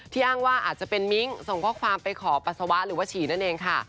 อ้างว่าอาจจะเป็นมิ้งส่งข้อความไปขอปัสสาวะหรือว่าฉี่นั่นเองค่ะ